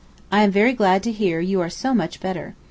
I am very glad to hear you are so much better.